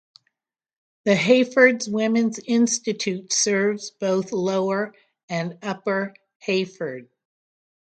The Heyfords Women's Institute serves both Lower and Upper Heyford.